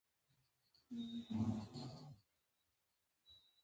هغه وايي نانيه زه ځمه.